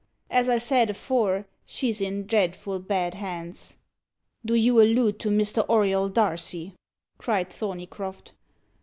As I said afore, she's in dreadful bad hands." "Do you allude to Mr. Auriol Darcy?" cried Thorneycroft.